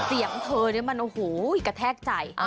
เสียงเธอเนี่ยมันโอ้โหกระแทกใจ